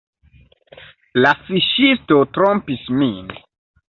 "La fiŝisto trompis min."